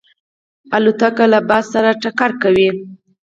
الوتکه له باد سره ټکر کوي.